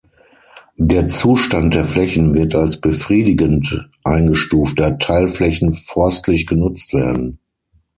Der Zustand der Flächen wird als befriedigend eingestuft, da Teilflächen forstlich genutzt werden.